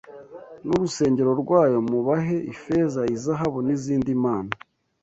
n’urusengero rwayo mubahe ifeza izahabu n’izindi mpano